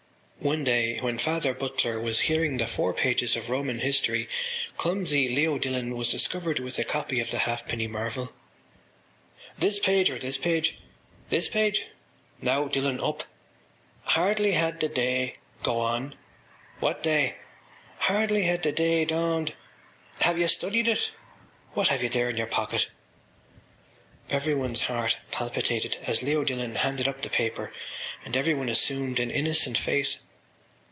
One day when Father Butler was hearing the four pages of Roman History clumsy Leo Dillon was discovered with a copy of The Halfpenny Marvel. “This page or this page? This page? Now, Dillon, up! ‘Hardly had the day’.... Go on! What day? ‘Hardly had the day dawned’.... Have you studied it? What have you there in your pocket?” Everyone’s heart palpitated as Leo Dillon handed up the paper and everyone assumed an innocent face.